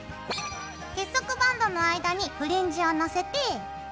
結束バンドの間にフリンジをのせて。